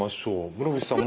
室伏さん